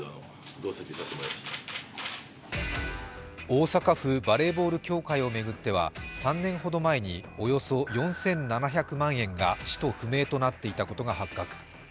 大阪府バレーボール協会を巡っては３年ほど前におよそ４７００万円が使途不明となっていたことが発覚。